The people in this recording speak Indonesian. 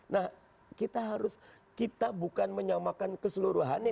nah kita harus kita bukan menyamakan keseluruhannya